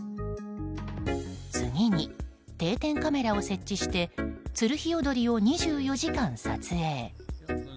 次に、定点カメラを設置してツルヒヨドリを２４時間撮影。